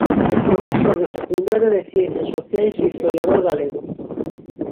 Profesor de secundaria de Ciencias Sociais e historiador galego.